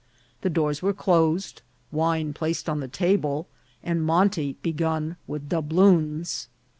The doors were closed, wine placed on the table, and monte begun with doubloons.